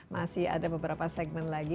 masih ada beberapa segmen lagi